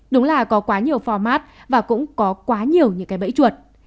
đúng là có quá nhiều format và cũng có quá nhiều những cái bẫy chuột